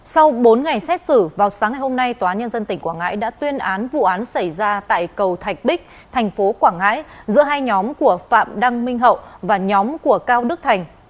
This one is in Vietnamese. sau bốn ngày xét xử vào sáng ngày hôm nay tòa nhân dân tỉnh quảng ngãi đã tuyên án vụ án xảy ra tại cầu thạch bích thành phố quảng ngãi giữa hai nhóm của phạm đăng minh hậu và nhóm của cao đức thành